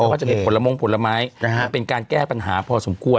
แล้วก็จะเป็นผลมงค์ผลไม้เป็นการแก้ปัญหาพอสมควร